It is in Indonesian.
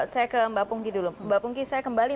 saya ke mbak pungki dulu mbak pungki saya kembali